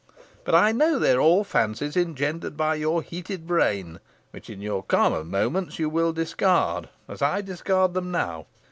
But I know they are all fancies engendered by your heated brain, which in your calmer moments you will discard, as I discard them now.